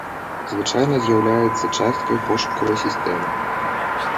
Звычайна з'яўляецца часткай пошукавай сістэмы.